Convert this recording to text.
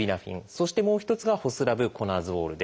そしてもう一つがホスラブコナゾールです。